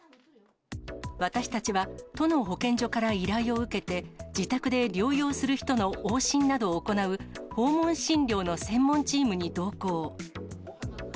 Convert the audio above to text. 私たちは、都の保健所から依頼を受けて、自宅で療養する人の往診などを行う、訪問診療の専門チームに同行。